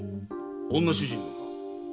女主人のか？